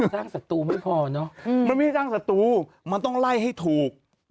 สร้างศัตรูไม่พอเนอะมันไม่ได้สร้างศัตรูมันต้องไล่ให้ถูก